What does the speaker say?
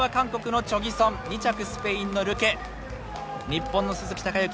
日本の鈴木孝幸